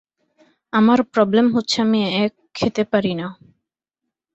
আমার প্রবলেম হচ্ছে আমি এক খেতে পারি না।